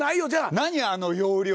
何あの容量。